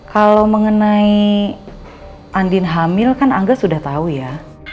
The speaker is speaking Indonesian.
kalau mengenai andin hamil kan angga sudah tahu ya